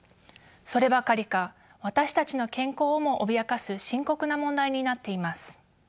そればかりか私たちの健康をも脅かす深刻な問題になっています。